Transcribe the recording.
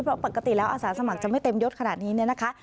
เพราะปกติแล้วอาสาสมัครจะไม่เต็มยดขนาดนี้เนี่ยนะคะ